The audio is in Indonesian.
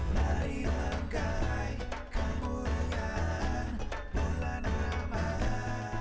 marilah kemuliaan bulan ramadhan